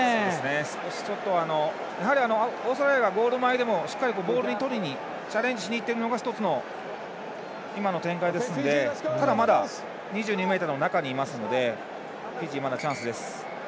少し、オーストラリアがゴール前でもしっかりとボールをとりにチャレンジしにいってるのが今の展開ですのでただ、まだ２２ｍの中にいますのでフィジー、まだチャンスです。